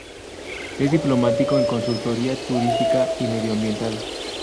Es diplomado en Consultoría Turística y Medioambiental.